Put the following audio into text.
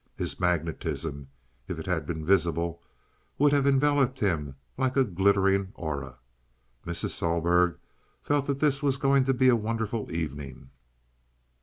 His magnetism, if it had been visible, would have enveloped him like a glittering aura. Mrs. Sohlberg felt that this was going to be a wonderful evening.